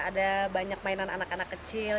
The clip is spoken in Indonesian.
ada banyak mainan anak anak kecil